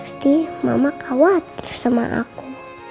pasti mama khawatir sama aku